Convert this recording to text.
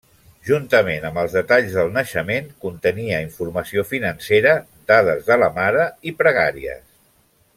Juntament amb els detalls del naixement, contenia informació financera, dades de la mare i pregàries.